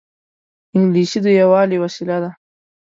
انګلیسي د یووالي وسیله ده